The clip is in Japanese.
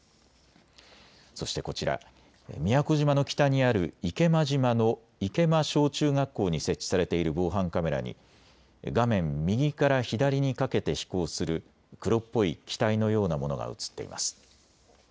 そしてこちら宮古島の北にある池間島の池間小中学校に設置されている防犯カメラに画面右から左にかけて飛行する黒っぽい機体のようなものが写っています。